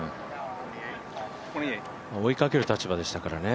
追いかける立場でしたからね。